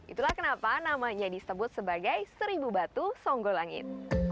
itulah kenapa namanya disebut sebagai seribu batu songgolangit